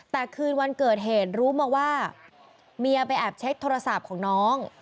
แต่คืนวันเกิดเหตุรู้มาว่าเมียไปแอบเช็คโทรศัพท์ของน้อง